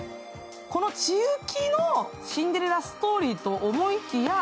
この千雪のシンデレラストーリーと思いきや